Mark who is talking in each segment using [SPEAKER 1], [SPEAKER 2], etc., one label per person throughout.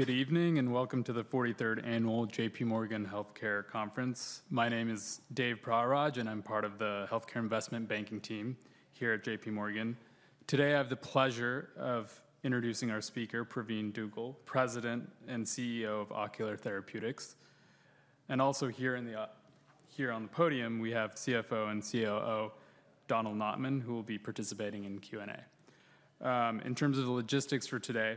[SPEAKER 1] Good evening and welcome to the 43rd Annual J.P. Morgan Healthcare Conference. My name is Dave Parag, and I'm part of the Healthcare Investment Banking team here at J.P. Morgan. Today, I have the pleasure of introducing our speaker, Pravin Dugel, President and CEO of Ocular Therapeutix. And also here on the podium, we have CFO and COO Donald Notman, who will be participating in Q&A. In terms of the logistics for today,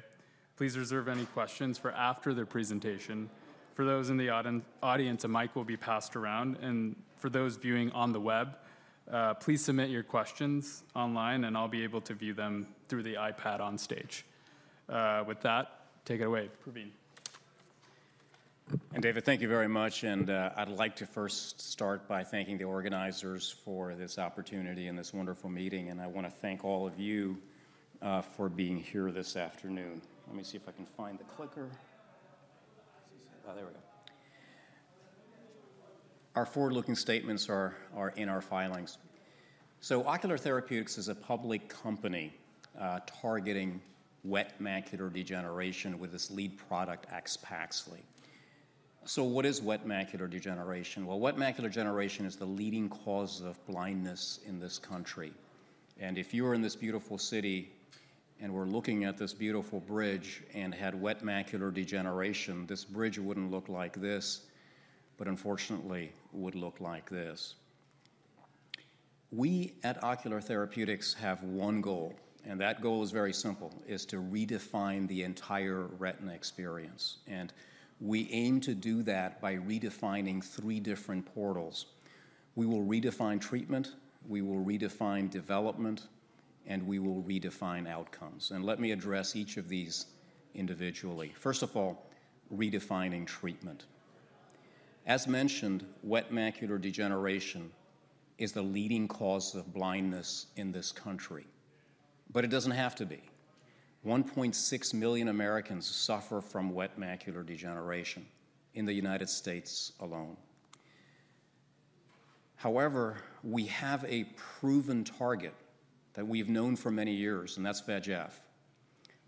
[SPEAKER 1] please reserve any questions for after the presentation. For those in the audience, a mic will be passed around. And for those viewing on the web, please submit your questions online, and I'll be able to view them through the iPad on stage. With that, take it away, Pravin.
[SPEAKER 2] And, David, thank you very much. And I'd like to first start by thanking the organizers for this opportunity and this wonderful meeting. And I want to thank all of you for being here this afternoon. Let me see if I can find the clicker. Oh, there we go. Our forward-looking statements are in our filings. So Ocular Therapeutix is a public company targeting wet macular degeneration with its lead product, AXPAXLI. So what is wet macular degeneration? Well, wet macular degeneration is the leading cause of blindness in this country. And if you were in this beautiful city and were looking at this beautiful bridge and had wet macular degeneration, this bridge wouldn't look like this, but unfortunately, it would look like this. We at Ocular Therapeutix have one goal, and that goal is very simple: to redefine the entire retina experience. And we aim to do that by redefining three different portals. We will redefine treatment, we will redefine development, and we will redefine outcomes. And let me address each of these individually. First of all, redefining treatment. As mentioned, wet macular degeneration is the leading cause of blindness in this country, but it doesn't have to be. 1.6 million Americans suffer from wet macular degeneration in the United States alone. However, we have a proven target that we've known for many years, and that's VEGF.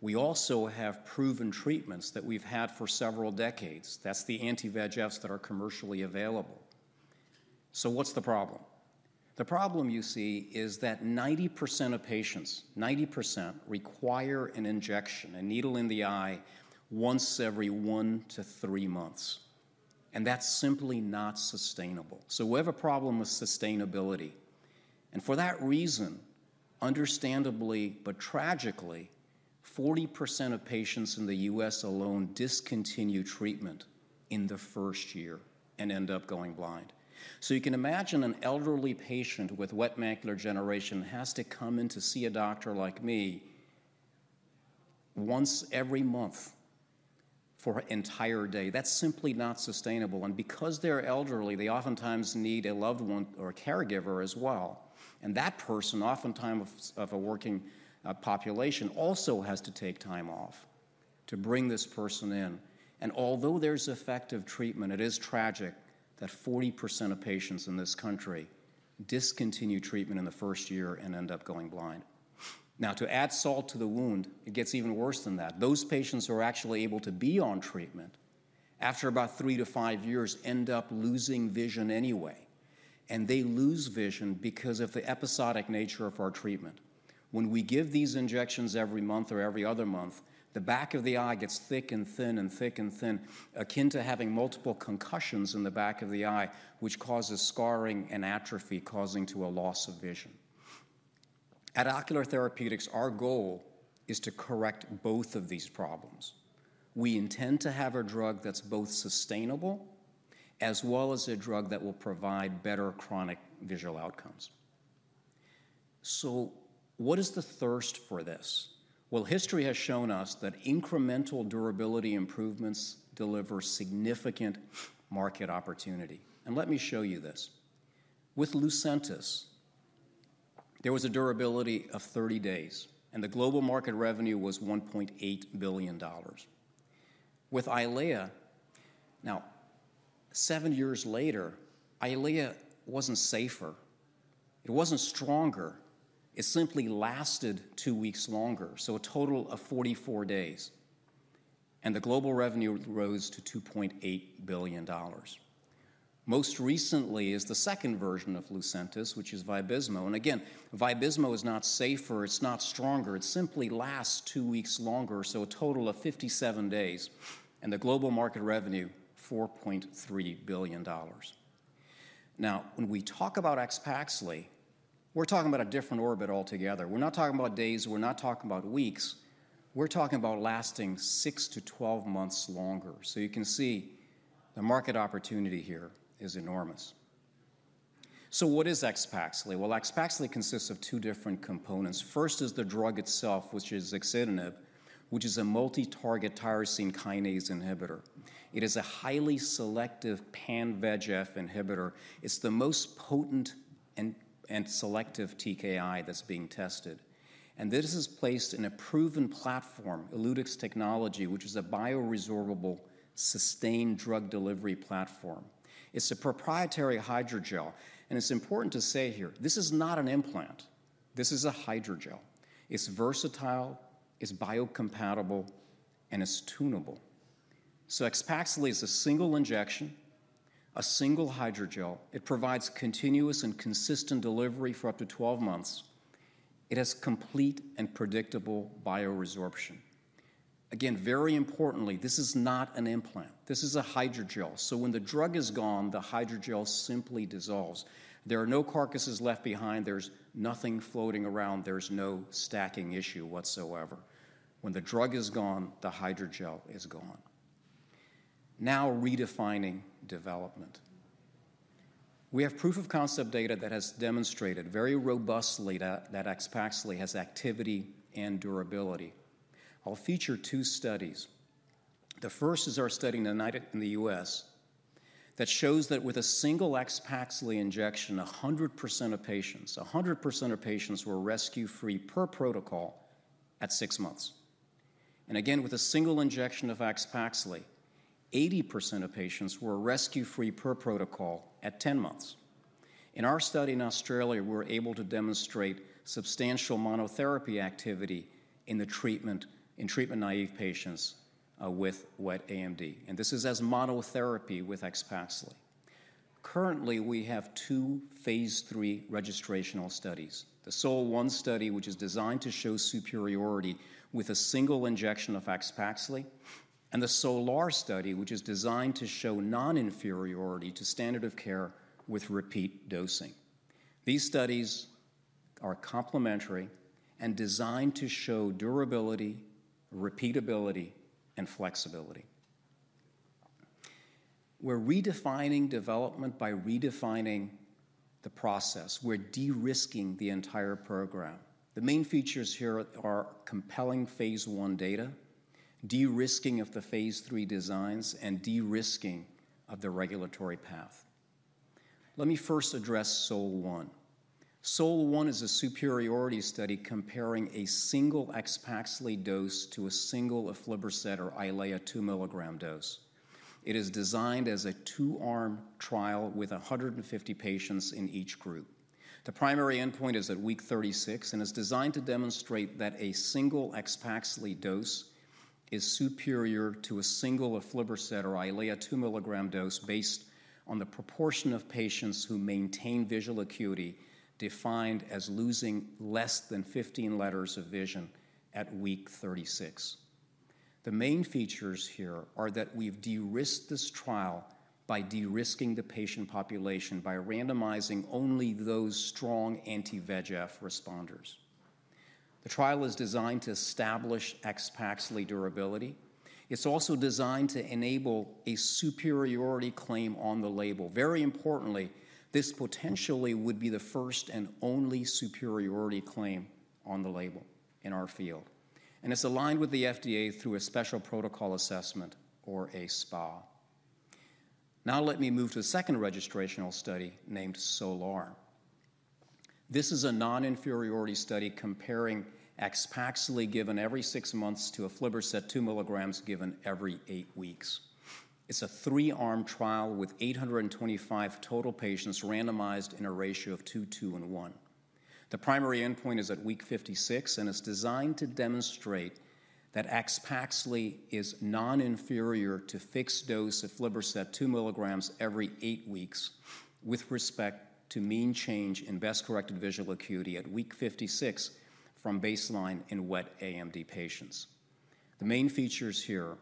[SPEAKER 2] We also have proven treatments that we've had for several decades. That's the anti-VEGFs that are commercially available. So what's the problem? The problem you see is that 90% of patients, 90%, require an injection, a needle in the eye, once every one to three months. And that's simply not sustainable. So we have a problem with sustainability. For that reason, understandably, but tragically, 40% of patients in the U.S. alone discontinue treatment in the first year and end up going blind. So you can imagine an elderly patient with wet macular degeneration has to come in to see a doctor like me once every month for an entire day. That's simply not sustainable. And because they're elderly, they oftentimes need a loved one or a caregiver as well. And that person, oftentimes of a working population, also has to take time off to bring this person in. And although there's effective treatment, it is tragic that 40% of patients in this country discontinue treatment in the first year and end up going blind. Now, to add salt to the wound, it gets even worse than that. Those patients who are actually able to be on treatment, after about three to five years, end up losing vision anyway, and they lose vision because of the episodic nature of our treatment. When we give these injections every month or every other month, the back of the eye gets thick and thin and thick and thin, akin to having multiple concussions in the back of the eye, which causes scarring and atrophy, causing a loss of vision. At Ocular Therapeutix, our goal is to correct both of these problems. We intend to have a drug that's both sustainable as well as a drug that will provide better chronic visual outcomes, so what is the thirst for this? Well, history has shown us that incremental durability improvements deliver significant market opportunity, and let me show you this. With Lucentis, there was a durability of 30 days, and the global market revenue was $1.8 billion. With Eylea. Now, seven years later, Eylea wasn't safer. It wasn't stronger. It simply lasted two weeks longer, so a total of 44 days. And the global revenue rose to $2.8 billion. Most recently is the second version of Lucentis, which is Vabysmo. And again, Vabysmo is not safer. It's not stronger. It simply lasts two weeks longer, so a total of 57 days. And the global market revenue, $4.3 billion. Now, when we talk about AXPAXLI, we're talking about a different orbit altogether. We're not talking about days. We're not talking about weeks. We're talking about lasting 6 to 12 months longer. So you can see the market opportunity here is enormous. So what is AXPAXLI? Well, AXPAXLI consists of two different components. First is the drug itself, which is axitinib, which is a multi-target tyrosine kinase inhibitor. It is a highly selective pan-VEGF inhibitor. It's the most potent and selective TKI that's being tested. And this is placed in a proven platform, ELUTYX Technology, which is a bioresorbable sustained drug delivery platform. It's a proprietary hydrogel. And it's important to say here, this is not an implant. This is a hydrogel. It's versatile, it's biocompatible, and it's tunable. So AXPAXLI is a single injection, a single hydrogel. It provides continuous and consistent delivery for up to 12 months. It has complete and predictable bioresorption. Again, very importantly, this is not an implant. This is a hydrogel. So when the drug is gone, the hydrogel simply dissolves. There are no carcasses left behind. There's nothing floating around. There's no stacking issue whatsoever. When the drug is gone, the hydrogel is gone. Now, redefining development. We have proof of concept data that has demonstrated very robustly that AXPAXLI has activity and durability. I'll feature two studies. The first is our study in the United States, in the U.S., that shows that with a single AXPAXLI injection, 100% of patients, 100% of patients were rescue-free per protocol at six months, and again, with a single injection of AXPAXLI, 80% of patients were rescue-free per protocol at 10 months. In our study in Australia, we were able to demonstrate substantial monotherapy activity in treatment-naive patients with wet AMD, and this is as monotherapy with AXPAXLI. Currently, we have two phase III registrational studies: the SOL-1 study, which is designed to show superiority with a single injection of AXPAXLI, and the SOLAR study, which is designed to show non-inferiority to standard of care with repeat dosing. These studies are complementary and designed to show durability, repeatability, and flexibility. We're redefining development by redefining the process. We're de-risking the entire program. The main features here are compelling phase I data, de-risking of the phase III designs, and de-risking of the regulatory path. Let me first address SOL-1. SOL-1 is a superiority study comparing a single AXPAXLI dose to a single aflibercept or Eylea 2 mg dose. It is designed as a two-arm trial with 150 patients in each group. The primary endpoint is at week 36 and is designed to demonstrate that a single AXPAXLI dose is superior to a single aflibercept or Eylea 2 mg dose based on the proportion of patients who maintain visual acuity defined as losing less than 15 letters of vision at week 36. The main features here are that we've de-risked this trial by de-risking the patient population by randomizing only those strong anti-VEGF responders. The trial is designed to establish AXPAXLI durability. It's also designed to enable a superiority claim on the label. Very importantly, this potentially would be the first and only superiority claim on the label in our field, and it's aligned with the FDA through a Special Protocol Assessment, or a SPA. Now, let me move to the second registrational study named SOLAR. This is a non-inferiority study comparing AXPAXLI given every six months to aflibercept 2 mg given every eight weeks. It's a three-arm trial with 825 total patients randomized in a ratio of 2:2:1. The primary endpoint is at week 56 and is designed to demonstrate that AXPAXLI is non-inferior to fixed-dose aflibercept 2 mg every eight weeks with respect to mean change in best-corrected visual acuity at week 56 from baseline in wet AMD patients. The main features here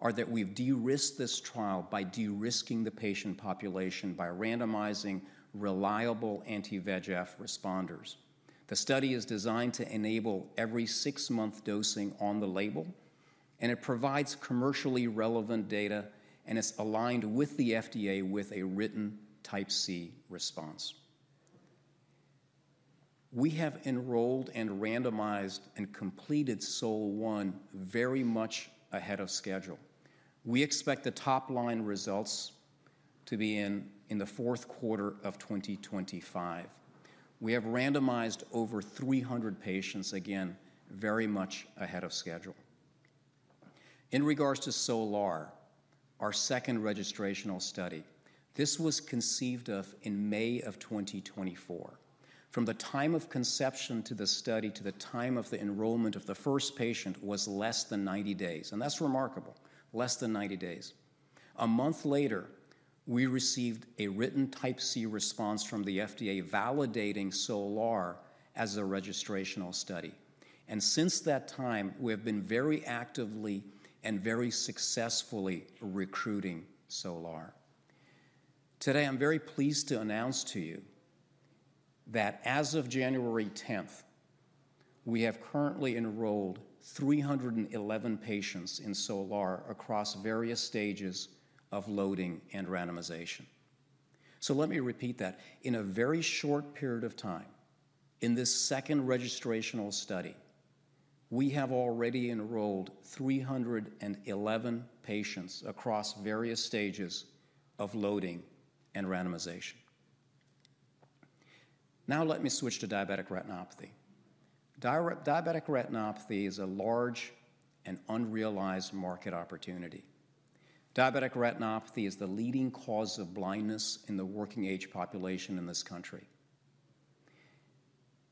[SPEAKER 2] are that we've de-risked this trial by de-risking the patient population by randomizing reliable anti-VEGF responders. The study is designed to enable every six-month dosing on the label, and it provides commercially relevant data, and it's aligned with the FDA with a written Type C response. We have enrolled and randomized and completed SOL-1 very much ahead of schedule. We expect the top-line results to be in the fourth quarter of 2025. We have randomized over 300 patients, again, very much ahead of schedule. In regards to SOLAR, our second registrational study, this was conceived of in May of 2024. From the time of conception to the study to the time of the enrollment of the first patient was less than 90 days, and that's remarkable, less than 90 days. A month later, we received a written Type C response from the FDA validating SOLAR as a registrational study, and since that time, we have been very actively and very successfully recruiting SOLAR. Today, I'm very pleased to announce to you that as of January 10th, we have currently enrolled 311 patients in SOLAR across various stages of loading and randomization, so let me repeat that. In a very short period of time, in this second registrational study, we have already enrolled 311 patients across various stages of loading and randomization. Now, let me switch to diabetic retinopathy. Diabetic retinopathy is a large and unrealized market opportunity. Diabetic retinopathy is the leading cause of blindness in the working-age population in this country.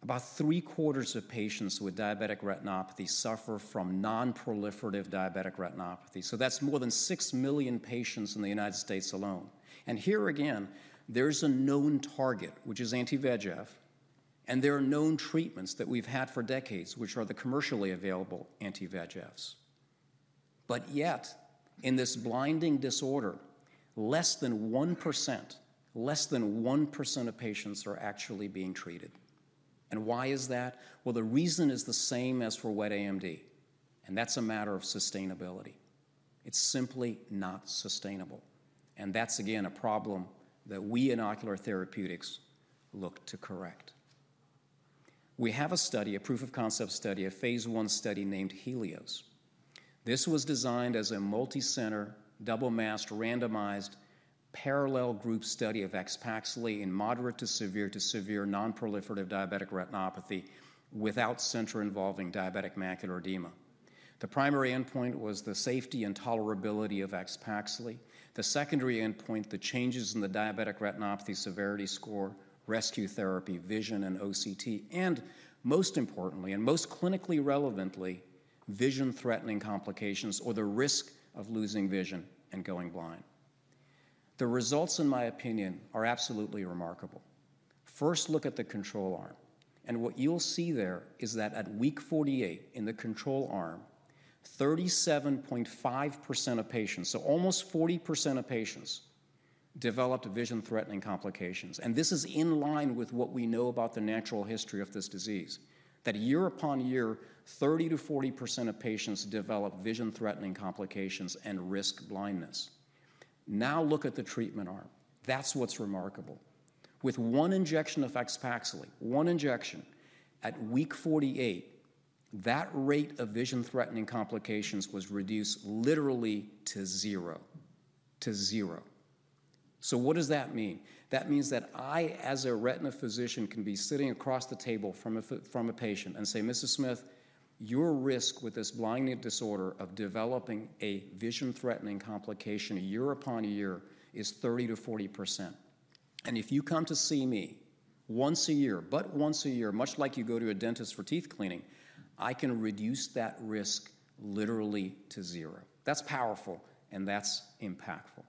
[SPEAKER 2] About three-quarters of patients with diabetic retinopathy suffer from non-proliferative diabetic retinopathy. So that's more than six million patients in the United States alone. And here again, there's a known target, which is anti-VEGF, and there are known treatments that we've had for decades, which are the commercially available anti-VEGFs. But yet, in this blinding disorder, less than 1%, less than 1% of patients are actually being treated. And why is that? Well, the reason is the same as for wet AMD, and that's a matter of sustainability. It's simply not sustainable. And that's, again, a problem that we in Ocular Therapeutix look to correct. We have a study, a proof of concept study, a phase I study named HELIOS. This was designed as a multi-center, double-masked, randomized parallel group study of AXPAXLI in moderate to severe non-proliferative diabetic retinopathy without center-involving diabetic macular edema. The primary endpoint was the safety and tolerability of AXPAXLI. The secondary endpoint, the changes in the Diabetic Retinopathy Severity Score, rescue therapy, vision and OCT, and most importantly, and most clinically relevantly, vision-threatening complications or the risk of losing vision and going blind. The results, in my opinion, are absolutely remarkable. First, look at the control arm, and what you'll see there is that at week 48 in the control arm, 37.5% of patients, so almost 40% of patients, developed vision-threatening complications, and this is in line with what we know about the natural history of this disease, that year upon year, 30%-40% of patients develop vision-threatening complications and risk blindness. Now, look at the treatment arm. That's what's remarkable. With one injection of AXPAXLI, one injection, at week 48, that rate of vision-threatening complications was reduced literally to zero, to zero. So what does that mean? That means that I, as a retina physician, can be sitting across the table from a patient and say, "Mr. Smith, your risk with this blinding disorder of developing a vision-threatening complication year upon year is 30%-40%. And if you come to see me once a year, but once a year, much like you go to a dentist for teeth cleaning, I can reduce that risk literally to zero." That's powerful, and that's impactful.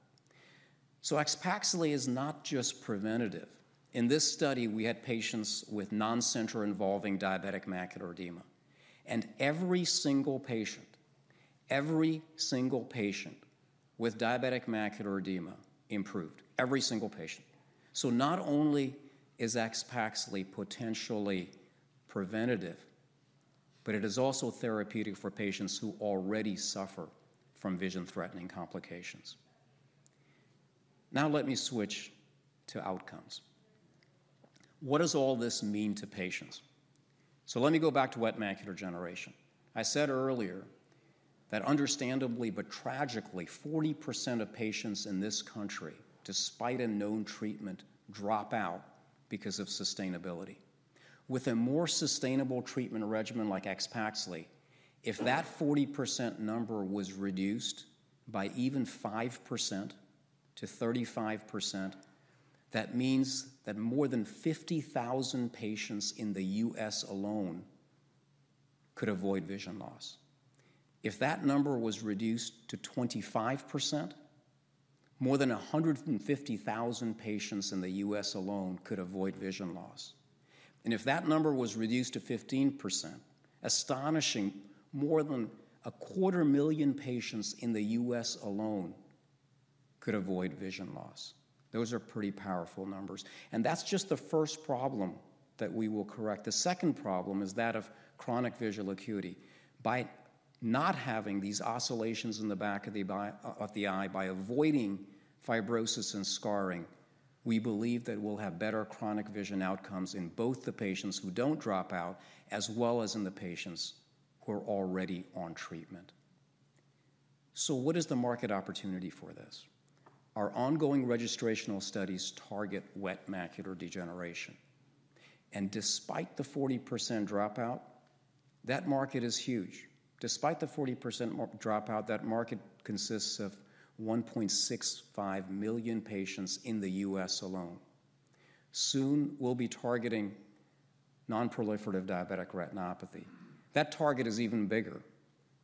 [SPEAKER 2] So AXPAXLI is not just preventative. In this study, we had patients with non-center-involving diabetic macular edema. And every single patient, every single patient with diabetic macular edema improved, every single patient. Not only is AXPAXLI potentially preventative, but it is also therapeutic for patients who already suffer from vision-threatening complications. Now, let me switch to outcomes. What does all this mean to patients? Let me go back to wet macular degeneration. I said earlier that understandably, but tragically, 40% of patients in this country, despite a known treatment, drop out because of sustainability. With a more sustainable treatment regimen like AXPAXLI, if that 40% number was reduced by even 5% to 35%, that means that more than 50,000 patients in the U.S. alone could avoid vision loss. If that number was reduced to 25%, more than 150,000 patients in the U.S. alone could avoid vision loss. And if that number was reduced to 15%, astonishing, more than 250,000 patients in the U.S. alone could avoid vision loss. Those are pretty powerful numbers. That's just the first problem that we will correct. The second problem is that of chronic visual acuity. By not having these oscillations in the back of the eye, by avoiding fibrosis and scarring, we believe that we'll have better chronic vision outcomes in both the patients who don't drop out as well as in the patients who are already on treatment. What is the market opportunity for this? Our ongoing registrational studies target wet macular degeneration. Despite the 40% dropout, that market is huge. Despite the 40% dropout, that market consists of 1.65 million patients in the U.S. alone. Soon, we'll be targeting non-proliferative diabetic retinopathy. That target is even bigger.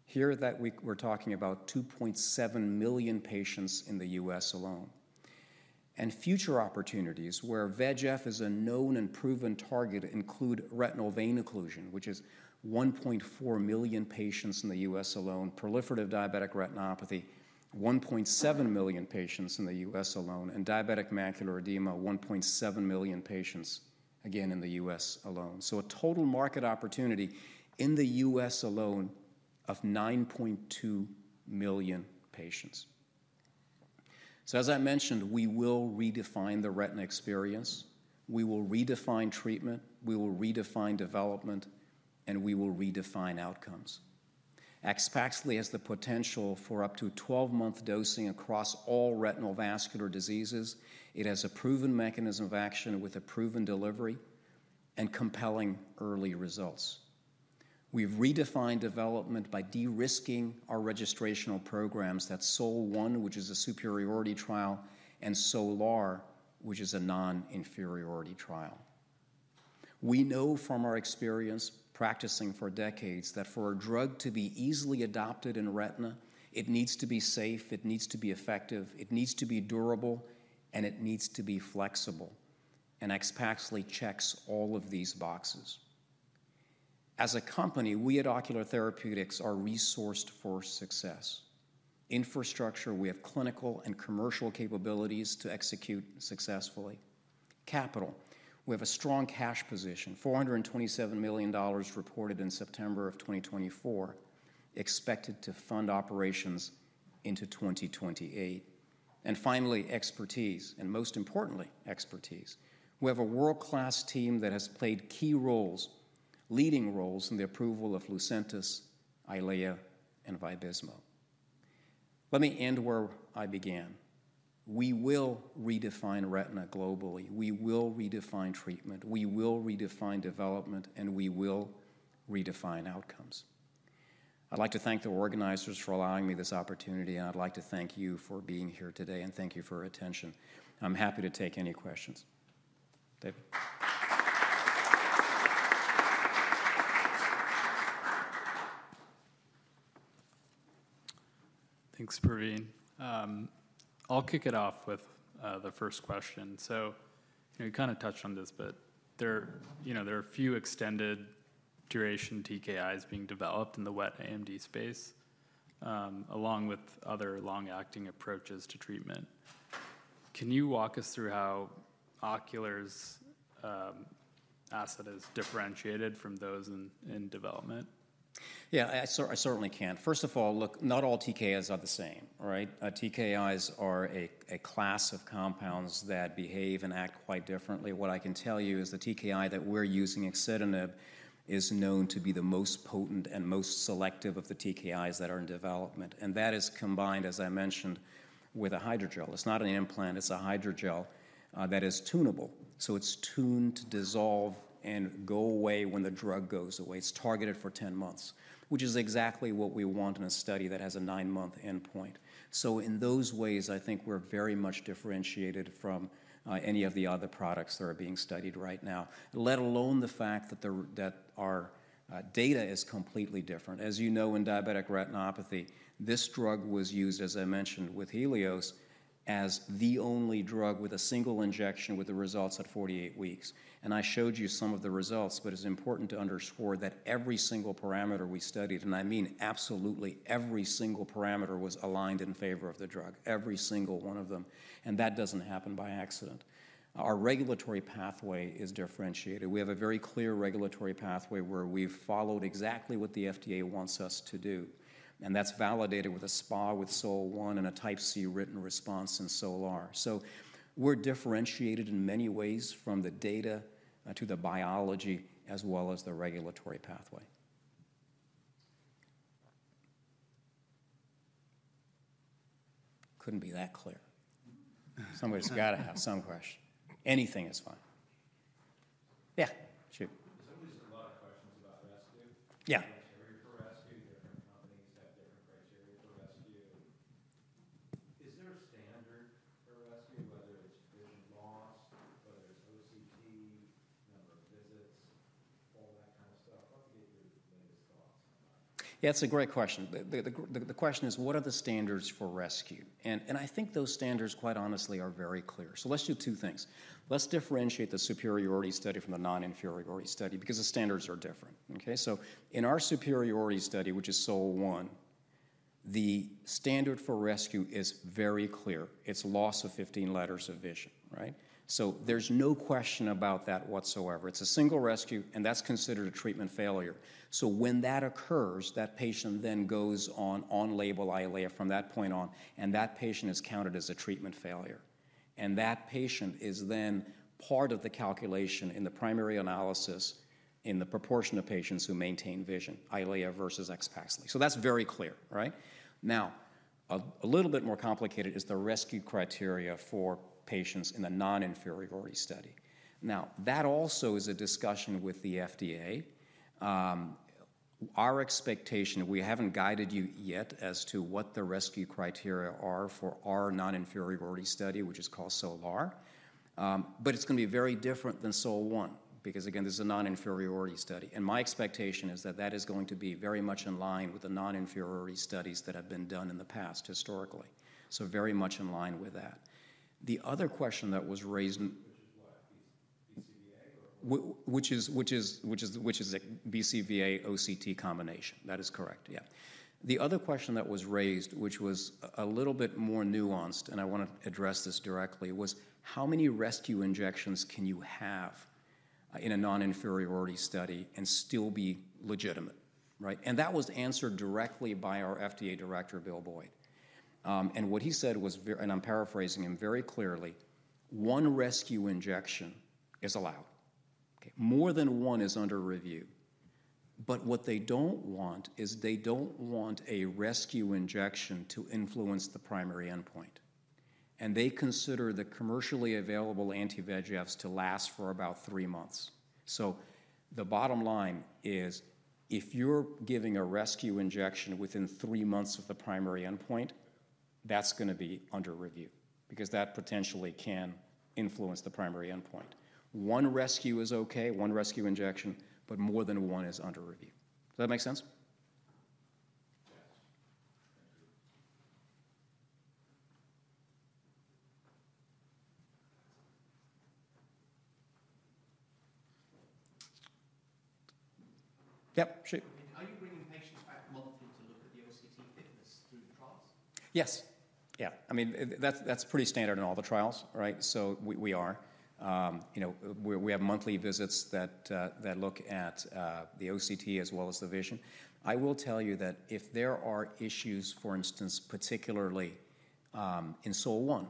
[SPEAKER 2] Here that we're talking about 2.7 million patients in the U.S. alone. Future opportunities where VEGF is a known and proven target include retinal vein occlusion, which is 1.4 million patients in the U.S. alone, proliferative diabetic retinopathy, 1.7 million patients in the U.S. alone, and diabetic macular edema, 1.7 million patients, again, in the U.S. alone. So a total market opportunity in the U.S. alone of 9.2 million patients. So as I mentioned, we will redefine the retina experience. We will redefine treatment. We will redefine development. We will redefine outcomes. AXPAXLI has the potential for up to 12-month dosing across all retinal vascular diseases. It has a proven mechanism of action with a proven delivery and compelling early results. We have redefined development by de-risking our registrational programs that SOL-1, which is a superiority trial, and SOLAR, which is a non-inferiority trial. We know from our experience practicing for decades that for a drug to be easily adopted in retina, it needs to be safe, it needs to be effective, it needs to be durable, and it needs to be flexible. And AXPAXLI checks all of these boxes. As a company, we at Ocular Therapeutix are resourced for success. Infrastructure, we have clinical and commercial capabilities to execute successfully. Capital, we have a strong cash position, $427 million reported in September of 2024, expected to fund operations into 2028. And finally, expertise, and most importantly, expertise. We have a world-class team that has played key roles, leading roles in the approval of Lucentis, Eylea, and Vabysmo. Let me end where I began. We will redefine retina globally. We will redefine treatment. We will redefine development, and we will redefine outcomes. I'd like to thank the organizers for allowing me this opportunity, and I'd like to thank you for being here today, and thank you for your attention. I'm happy to take any questions.
[SPEAKER 1] Thanks, Pravin. I'll kick it off with the first question. So you kind of touched on this, but there are a few extended duration TKIs being developed in the wet AMD space, along with other long-acting approaches to treatment. Can you walk us through how Ocular's asset is differentiated from those in development?
[SPEAKER 2] Yeah, I certainly can. First of all, look, not all TKIs are the same, right? TKIs are a class of compounds that behave and act quite differently. What I can tell you is the TKI that we're using, axitinib, is known to be the most potent and most selective of the TKIs that are in development. And that is combined, as I mentioned, with a hydrogel. It's not an implant. It's a hydrogel that is tunable. So it's tuned to dissolve and go away when the drug goes away. It's targeted for 10 months, which is exactly what we want in a study that has a nine-month endpoint. So in those ways, I think we're very much differentiated from any of the other products that are being studied right now, let alone the fact that our data is completely different. As you know, in diabetic retinopathy, this drug was used, as I mentioned, with HELIOS as the only drug with a single injection with the results at 48 weeks. And I showed you some of the results, but it's important to underscore that every single parameter we studied, and I mean absolutely every single parameter, was aligned in favor of the drug, every single one of them. And that doesn't happen by accident. Our regulatory pathway is differentiated. We have a very clear regulatory pathway where we've followed exactly what the FDA wants us to do. And that's validated with a SPA with SOL-1 and a Type C written response in SOLAR. So we're differentiated in many ways from the data to the biology as well as the regulatory pathway. Couldn't be that clear. Somebody's got to have some question. Anything is fine. Yeah, shoot. Yeah. Criteria for rescue. Different companies have different criteria for rescue. Is there a standard for rescue, whether it's vision loss, whether it's OCT, number of visits, all that kind of stuff? I'd love to get your latest thoughts on that. Yeah, it's a great question. The question is, what are the standards for rescue? And I think those standards, quite honestly, are very clear. So let's do two things. Let's differentiate the superiority study from the non-inferiority study because the standards are different, okay? So in our superiority study, which is SOL-1, the standard for rescue is very clear. It's loss of 15 letters of vision, right? So there's no question about that whatsoever. It's a single rescue, and that's considered a treatment failure. So when that occurs, that patient then goes on on-label Eylea from that point on, and that patient is counted as a treatment failure. And that patient is then part of the calculation in the primary analysis in the proportion of patients who maintain vision, Eylea versus AXPAXLI. So that's very clear, right? Now, a little bit more complicated is the rescue criteria for patients in the non-inferiority study. Now, that also is a discussion with the FDA. Our expectation, we haven't guided you yet as to what the rescue criteria are for our non-inferiority study, which is called SOLAR, but it's going to be very different than SOL-1 because, again, this is a non-inferiority study. And my expectation is that that is going to be very much in line with the non-inferiority studies that have been done in the past historically. So very much in line with that. The other question that was raised. Which is what? BCVA or? Which is BCVA-OCT combination. That is correct, yeah. The other question that was raised, which was a little bit more nuanced, and I want to address this directly, was how many rescue injections can you have in a non-inferiority study and still be legitimate, right? And that was answered directly by our FDA director, Will Boyd. What he said was, and I'm paraphrasing him very clearly, one rescue injection is allowed. More than one is under review. But what they don't want is they don't want a rescue injection to influence the primary endpoint. They consider the commercially available anti-VEGFs to last for about three months. So the bottom line is if you're giving a rescue injection within three months of the primary endpoint, that's going to be under review because that potentially can influence the primary endpoint. One rescue is okay, one rescue injection, but more than one is under review. Does that make sense? Yes. Thank you. Yep, shoot. Are you bringing patients back monthly to look at the OCT thickness throughout the trials? Yes. Yeah. I mean, that's pretty standard in all the trials, right? So we are. We have monthly visits that look at the OCT as well as the vision. I will tell you that if there are issues, for instance, particularly in SOL-1,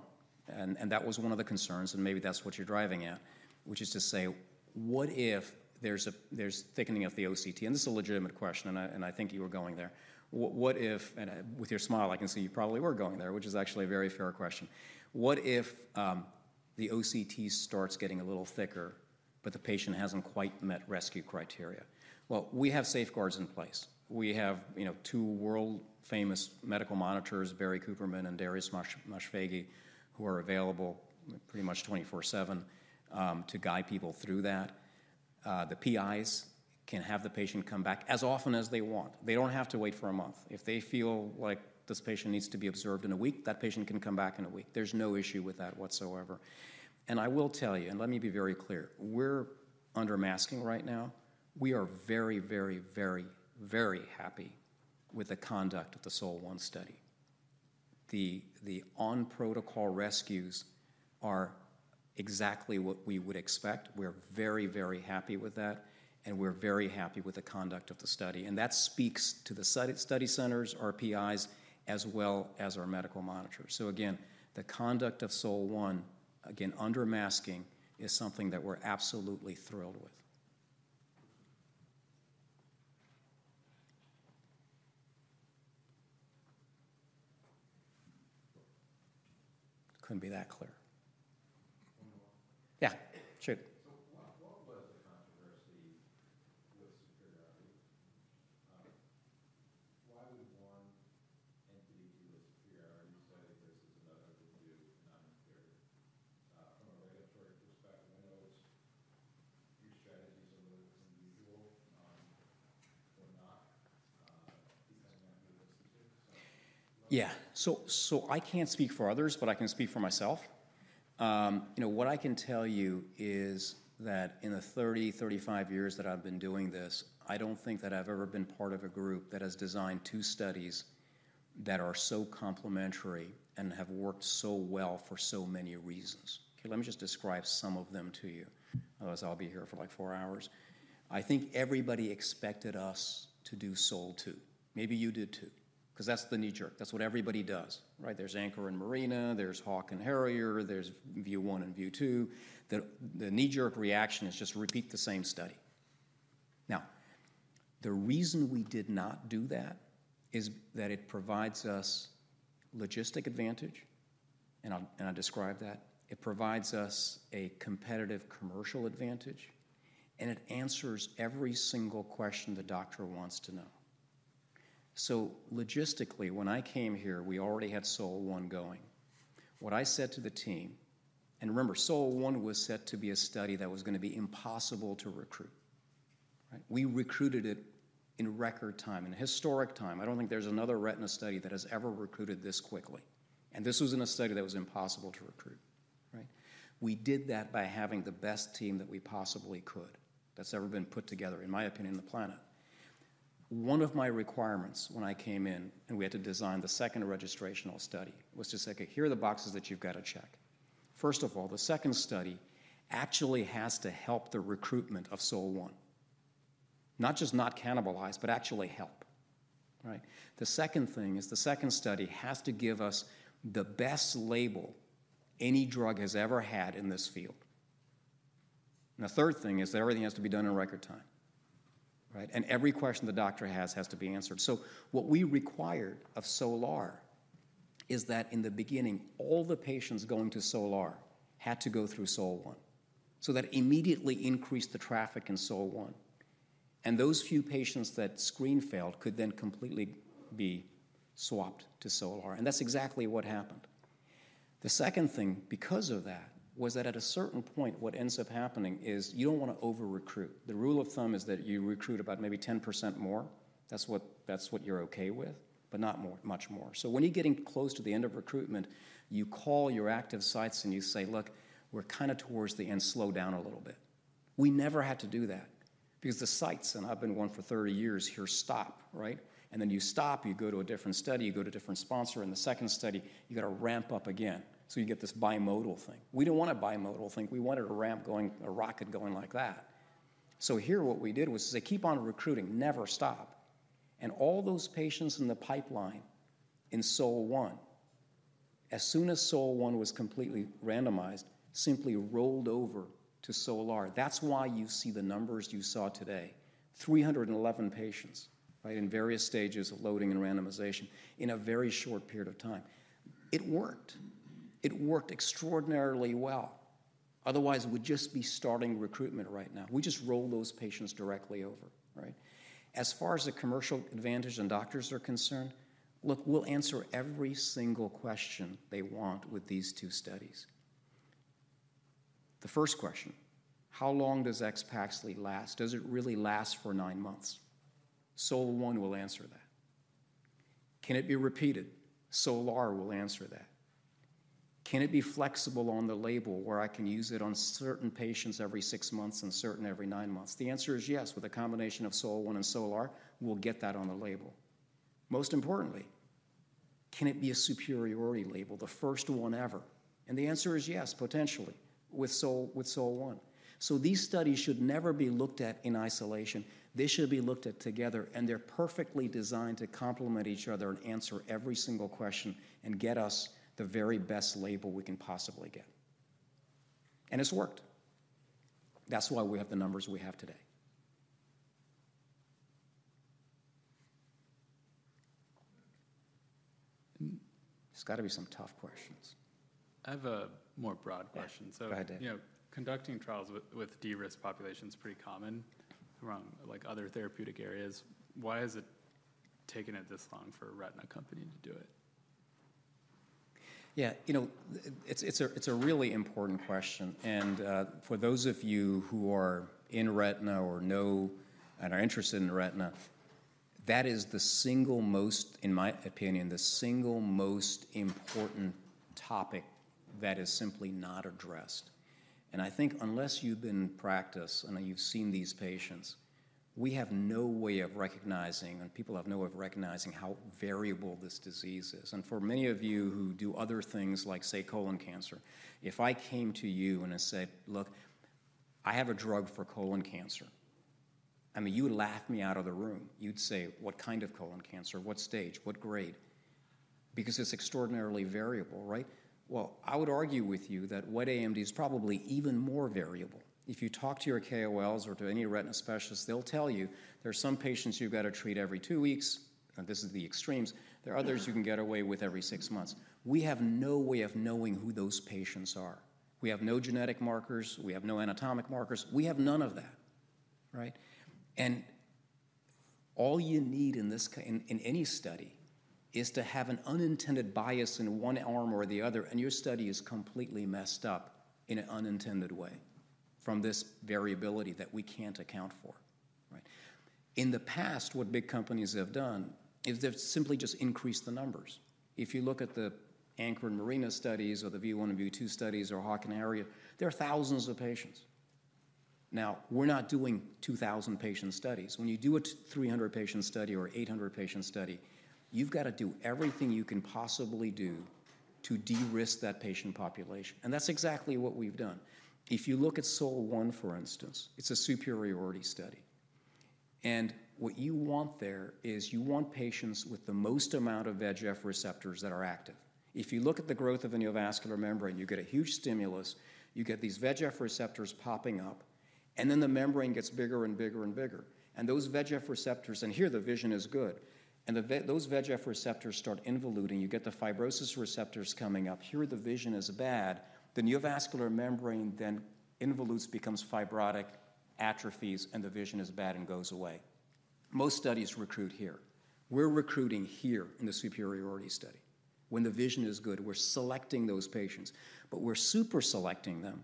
[SPEAKER 2] and that was one of the concerns, and maybe that's what you're driving at, which is to say, what if there's thickening of the OCT, and this is a legitimate question, and I think you were going there. What if, and with your smile, I can see you probably were going there, which is actually a very fair question. What if the OCT starts getting a little thicker, but the patient hasn't quite met rescue criteria, well, we have safeguards in place. We have two world-famous medical monitors, Baruch Kuppermann and Darius Moshfeghi, who are available pretty much 24/7 to guide people through that. The PIs can have the patient come back as often as they want. They don't have to wait for a month. If they feel like this patient needs to be observed in a week, that patient can come back in a week. There's no issue with that whatsoever. And I will tell you, and let me be very clear, we're under masking right now. We are very, very, very, very happy with the conduct of the SOL-1 study. The on-protocol rescues are exactly what we would expect. We're very, very happy with that, and we're very happy with the conduct of the study. And that speaks to the study centers, our PIs, as well as our medical monitors. So again, the conduct of SOL-1, again, under masking, is something that we're absolutely thrilled with. Couldn't be that clear. Yeah, shoot. So what was the controversy with superiority? Why would one entity do a superiority study versus another would do a non-inferiority? From a regulatory perspective, I know your strategies are a little unusual for not depending on who listens to you, so. Yeah, so I can't speak for others, but I can speak for myself. What I can tell you is that in the 30, 35 years that I've been doing this, I don't think that I've ever been part of a group that has designed two studies that are so complementary and have worked so well for so many reasons. Okay, let me just describe some of them to you. Otherwise, I'll be here for like four hours. I think everybody expected us to do SOL-2. Maybe you did too, because that's the knee-jerk. That's what everybody does, right? There's ANCHOR and MARINA, there's HAWK and HARRIER, there's VIEW 1 and VIEW 2. The knee-jerk reaction is just to repeat the same study. Now, the reason we did not do that is that it provides us logistic advantage, and I described that. It provides us a competitive commercial advantage, and it answers every single question the doctor wants to know, so logistically, when I came here, we already had SOL-1 going. What I said to the team, and remember, SOL-1 was set to be a study that was going to be impossible to recruit, right? We recruited it in record time, in historic time. I don't think there's another retina study that has ever recruited this quickly, and this was in a study that was impossible to recruit, right? We did that by having the best team that we possibly could that's ever been put together, in my opinion, on the planet. One of my requirements when I came in, and we had to design the second registrational study, was to say, "Okay, here are the boxes that you've got to check." First of all, the second study actually has to help the recruitment of SOL-1, not just not cannibalize, but actually help, right? The second thing is the second study has to give us the best label any drug has ever had in this field, and the third thing is that everything has to be done in record time, right? And every question the doctor has has to be answered, so what we required of SOL-1 is that in the beginning, all the patients going to SOL-1 had to go through SOL-1, so that immediately increased the traffic in SOL-1, and those few patients that screen failed could then completely be swapped to SOL-1, and that's exactly what happened. The second thing because of that was that at a certain point, what ends up happening is you don't want to over-recruit. The rule of thumb is that you recruit about maybe 10% more. That's what you're okay with, but not much more. So when you're getting close to the end of recruitment, you call your active sites and you say, "Look, we're kind of towards the end. Slow down a little bit." We never had to do that because the sites, and I've been one for 30 years, they stop, right? And then you stop, you go to a different study, you go to a different sponsor, and the second study, you got to ramp up again. So you get this bimodal thing. We don't want a bimodal thing. We wanted a rocket going like that. So here, what we did was say, "Keep on recruiting. Never stop," and all those patients in the pipeline in SOL-1, as soon as SOL-1 was completely randomized, simply rolled over to SOL-1. That's why you see the numbers you saw today, 311 patients, right, in various stages of loading and randomization in a very short period of time. It worked. It worked extraordinarily well. Otherwise, we'd just be starting recruitment right now. We just rolled those patients directly over, right? As far as the commercial advantage and doctors are concerned, look, we'll answer every single question they want with these two studies. The first question, how long does AXPAXLI last? Does it really last for nine months? SOL-1 will answer that. Can it be repeated? SOL-1 will answer that. Can it be flexible on the label where I can use it on certain patients every six months and certain every nine months? The answer is yes. With a combination of SOL-1 and SOLAR, we'll get that on the label. Most importantly, can it be a superiority label, the first one ever? And the answer is yes, potentially, with SOL-1. So these studies should never be looked at in isolation. They should be looked at together, and they're perfectly designed to complement each other and answer every single question and get us the very best label we can possibly get. And it's worked. That's why we have the numbers we have today. There's got to be some tough questions.
[SPEAKER 1] I have a more broad question.
[SPEAKER 2] So. Go ahead.
[SPEAKER 1] Yeah. Conducting trials with de-risk populations is pretty common around other therapeutic areas. Why has it taken it this long for a retina company to do it?
[SPEAKER 2] Yeah. It's a really important question. For those of you who are in retina or know and are interested in retina, that is the single most, in my opinion, the single most important topic that is simply not addressed. I think unless you've been in practice and you've seen these patients, we have no way of recognizing, and people have no way of recognizing how variable this disease is. For many of you who do other things like, say, colon cancer, if I came to you and I said, "Look, I have a drug for colon cancer," I mean, you would laugh me out of the room. You'd say, "What kind of colon cancer? What stage? What grade?" Because it's extraordinarily variable, right? I would argue with you that wet AMD is probably even more variable. If you talk to your KOLs or to any retina specialist, they'll tell you there are some patients you've got to treat every two weeks. This is the extremes. There are others you can get away with every six months. We have no way of knowing who those patients are. We have no genetic markers. We have no anatomic markers. We have none of that, right? And all you need in any study is to have an unintended bias in one arm or the other, and your study is completely messed up in an unintended way from this variability that we can't account for, right? In the past, what big companies have done is they've simply just increased the numbers. If you look at the ANCHOR and MARINA studies or the VIEW 1 and VIEW 2 studies or HAWK and HARRIER, there are thousands of patients. Now, we're not doing 2,000 patient studies. When you do a 300-patient study or 800-patient study, you've got to do everything you can possibly do to de-risk that patient population. And that's exactly what we've done. If you look at SOL-1, for instance, it's a superiority study. And what you want there is you want patients with the most amount of VEGF receptors that are active. If you look at the growth of the neovascular membrane, you get a huge stimulus. You get these VEGF receptors popping up, and then the membrane gets bigger and bigger and bigger. And those VEGF receptors, and here, the vision is good. And those VEGF receptors start involuting. You get the fibrosis receptors coming up. Here, the vision is bad. The neovascular membrane then involutes, becomes fibrotic, atrophies, and the vision is bad and goes away. Most studies recruit here. We're recruiting here in the superiority study. When the vision is good, we're selecting those patients, but we're super selecting them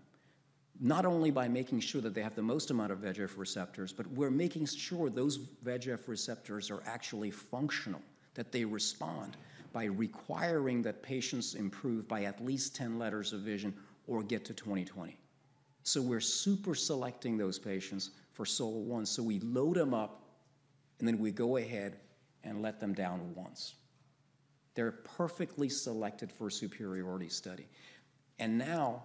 [SPEAKER 2] not only by making sure that they have the most amount of VEGF receptors, but we're making sure those VEGF receptors are actually functional, that they respond by requiring that patients improve by at least 10 letters of vision or get to 20/20. So we're super selecting those patients for SOL-1. So we load them up, and then we go ahead and let them down once. They're perfectly selected for a superiority study. Now,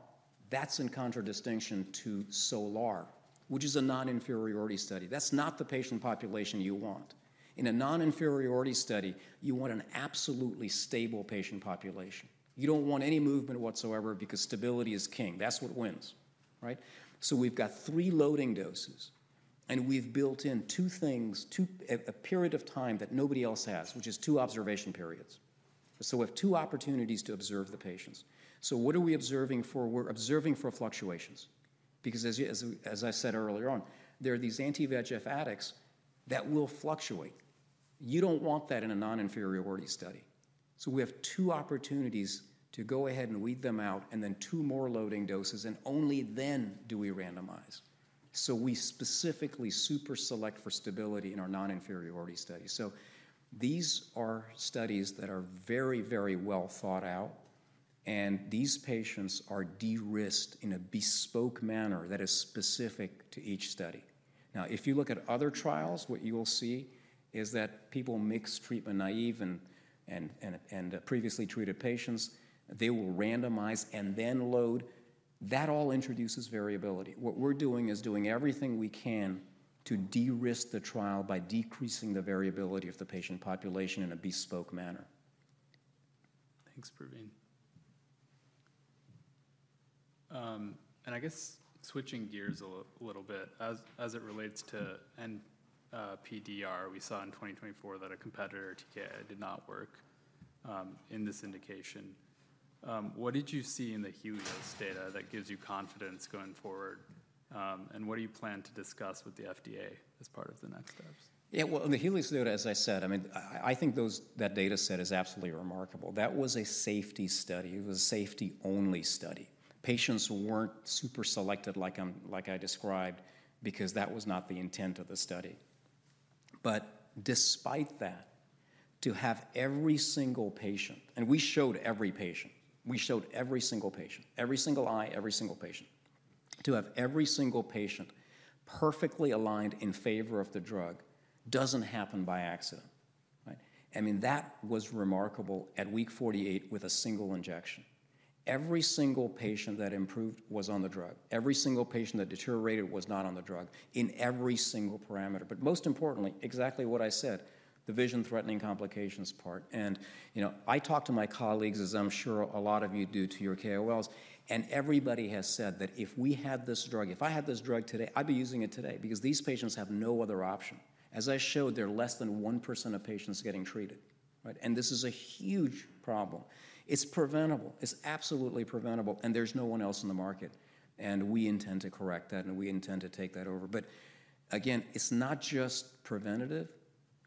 [SPEAKER 2] that's in contradistinction to SOLAR, which is a non-inferiority study. That's not the patient population you want. In a non-inferiority study, you want an absolutely stable patient population. You don't want any movement whatsoever because stability is king. That's what wins, right? We've got three loading doses, and we've built in two things, a period of time that nobody else has, which is two observation periods. We have two opportunities to observe the patients. What are we observing for? We're observing for fluctuations. Because as I said earlier on, there are these anti-VEGF addicts that will fluctuate. You don't want that in a non-inferiority study. We have two opportunities to go ahead and weed them out and then two more loading doses, and only then do we randomize. We specifically super select for stability in our non-inferiority studies. These are studies that are very, very well thought out, and these patients are de-risked in a bespoke manner that is specific to each study. Now, if you look at other trials, what you will see is that people mix treatment naive and previously treated patients. They will randomize and then load. That all introduces variability. What we're doing is doing everything we can to de-risk the trial by decreasing the variability of the patient population in a bespoke manner.
[SPEAKER 1] Thanks, Pravin. And I guess switching gears a little bit, as it relates to NPDR, we saw in 2024 that a competitor, TKI, did not work in this indication. What did you see in the HELIOS data that gives you confidence going forward? And what do you plan to discuss with the FDA as part of the next steps?
[SPEAKER 2] Yeah, well, in the HELIOS data, as I said, I mean, I think that data set is absolutely remarkable. That was a safety study. It was a safety-only study. Patients weren't super selected like I described because that was not the intent of the study. But despite that, to have every single patient, and we showed every patient. We showed every single patient, every single eye, every single patient, to have every single patient perfectly aligned in favor of the drug doesn't happen by accident, right? I mean, that was remarkable at week 48 with a single injection. Every single patient that improved was on the drug. Every single patient that deteriorated was not on the drug in every single parameter. But most importantly, exactly what I said, the vision-threatening complications part, and I talked to my colleagues, as I'm sure a lot of you do to your KOLs, and everybody has said that if we had this drug, if I had this drug today, I'd be using it today because these patients have no other option. As I showed, they're less than 1% of patients getting treated, right, and this is a huge problem. It's preventable. It's absolutely preventable, and there's no one else in the market. And we intend to correct that, and we intend to take that over. But again, it's not just preventative.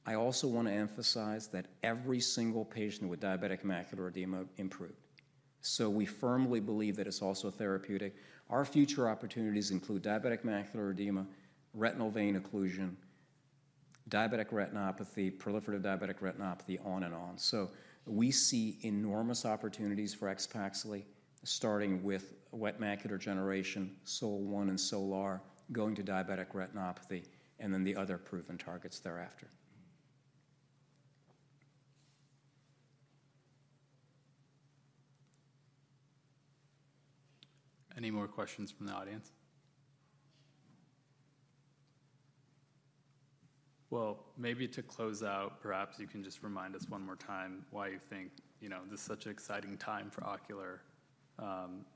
[SPEAKER 2] I also want to emphasize that every single patient with diabetic macular edema improved. So we firmly believe that it's also therapeutic. Our future opportunities include diabetic macular edema, retinal vein occlusion, diabetic retinopathy, proliferative diabetic retinopathy, on and on. So we see enormous opportunities for AXPAXLI, starting with wet macular degeneration, SOL-1 and SOLAR, going to diabetic retinopathy, and then the other proven targets thereafter. Any more questions from the audience? Well, maybe to close out, perhaps you can just remind us one more time why you think this is such an exciting time for ocular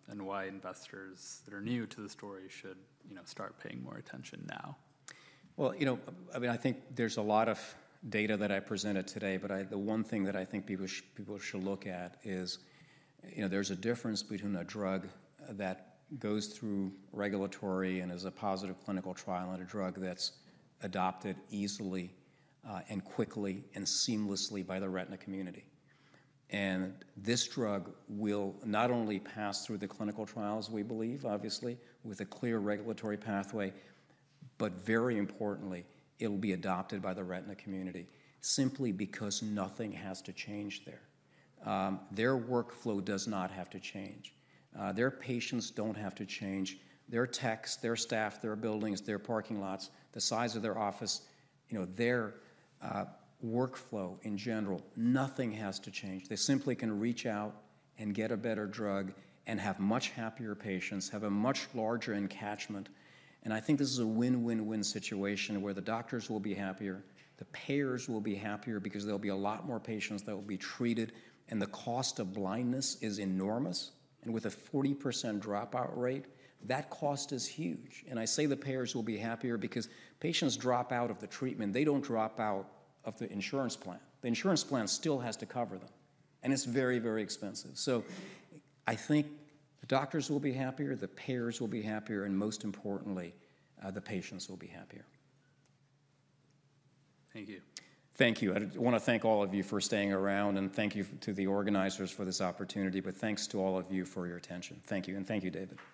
[SPEAKER 2] and why investors that are new to the story should start paying more attention now. I mean, I think there's a lot of data that I presented today, but the one thing that I think people should look at is there's a difference between a drug that goes through regulatory and is a positive clinical trial and a drug that's adopted easily and quickly and seamlessly by the retina community. This drug will not only pass through the clinical trials, we believe, obviously, with a clear regulatory pathway, but very importantly, it'll be adopted by the retina community simply because nothing has to change there. Their workflow does not have to change. Their patients don't have to change. Their techs, their staff, their buildings, their parking lots, the size of their office, their workflow in general, nothing has to change. They simply can reach out and get a better drug and have much happier patients, have a much larger attachment. And I think this is a win-win-win situation where the doctors will be happier, the payers will be happier because there'll be a lot more patients that will be treated, and the cost of blindness is enormous. And with a 40% dropout rate, that cost is huge. And I say the payers will be happier because patients drop out of the treatment. They don't drop out of the insurance plan. The insurance plan still has to cover them, and it's very, very expensive. So I think the doctors will be happier, the payers will be happier, and most importantly, the patients will be happier.
[SPEAKER 1] Thank you.
[SPEAKER 2] Thank you. I want to thank all of you for staying around, and thank you to the organizers for this opportunity, but thanks to all of you for your attention. Thank you. And thank you, David.